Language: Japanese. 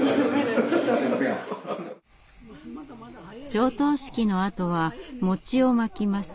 上棟式のあとは餅をまきます。